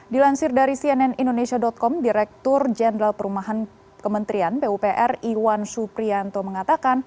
dilansir dari cnn indonesia com direktur jenderal perumahan kementerian pupr iwan suprianto mengatakan